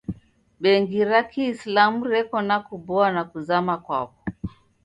Bengi ra kiisilamu reko na kuboa na kuzama kwaro.